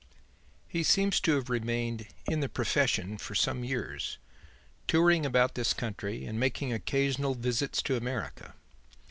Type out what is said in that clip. He seems to have remained in 'the profession' for some years, touring about this country and making occasional visits to America.